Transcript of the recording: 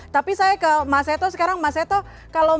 tapi saya ke mas eto sekarang mas eto kalau melihat ini gap skills ya